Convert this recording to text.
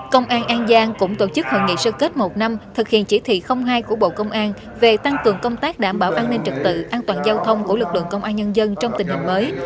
công an an giang cũng tổ chức hội nghị sơ kết một năm thực hiện chỉ thị hai của bộ công an về tăng cường công tác đảm bảo an ninh trực tự an toàn giao thông của lực lượng công an nhân dân trong tình hình mới